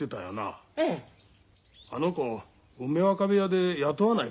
あの子梅若部屋で雇わないか？